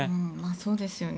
そうですよね。